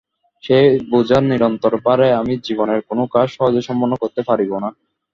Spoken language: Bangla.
সেই বোঝার নিরন্তর ভারে আমি জীবনের কোনো কাজ সহজে সম্পন্ন করিতে পারিব না।